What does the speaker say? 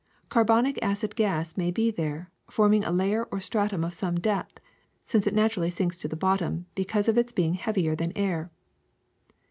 Carbonic acid gas may be there, form ing a layer or stratum of some depth, since it natu rally sinks to the bottom because of its being heavier than air.